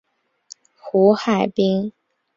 胡海滨。